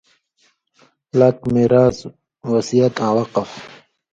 لَک: میراث، وصیت آں وقف